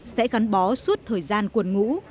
sẽ gắn bó suốt thời gian quần ngũ